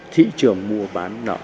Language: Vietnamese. thị trường mua bán nợ